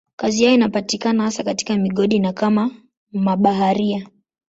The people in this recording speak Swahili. Kazi yao inapatikana hasa katika migodi na kama mabaharia.